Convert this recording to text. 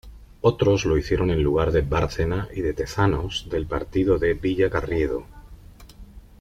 Otros lo hicieron en lugar de Bárcena y de Tezanos, del partido de Villacarriedo.